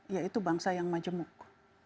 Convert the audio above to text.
yaitu bangsa yang majemuk